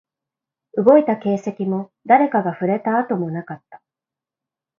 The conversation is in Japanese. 動いた形跡も、誰かが触れた跡もなかった